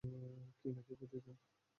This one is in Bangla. কি, নাকি প্রতিদান?